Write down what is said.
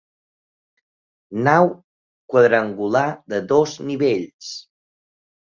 Nau quadrangular de dos nivells.